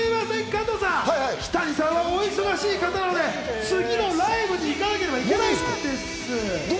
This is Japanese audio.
加藤さん、日谷さんはお忙しい方なので、次のライブに行かなきゃいけないんです。